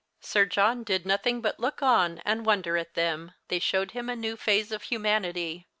Sir John did nothing but look on and wonder at them. They showed him a new phase of humanity.